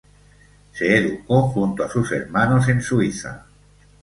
Se educó junto a sus hermanos en Suiza.